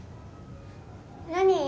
何？